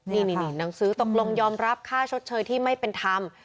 นี่หนังสือตกลงยอมรับค่าชดเชยที่ไม่เป็นธรรม